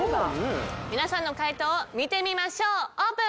皆さんの解答を見てみましょうオープン！